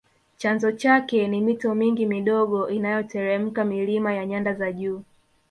Chanzo chake ni mito mingi midogo inayoteremka milima ya nyanda za juu